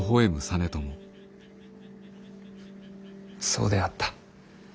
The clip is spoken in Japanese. そうであった。